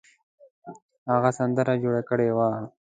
هغه سندره جوړه کړې وه.